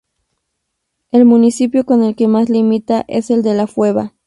El municipio con el que más limita es el de La Fueva.